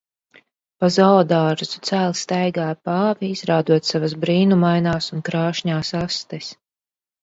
Pa zoodārzu cēli staigāja pāvi, izrādot savas brīnumainās un krāšņās astes